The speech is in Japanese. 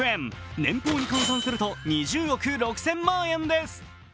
年俸に換算すると２０億６０００万円です。